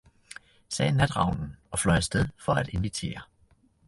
sagde natravnen og fløj af sted for at invitere.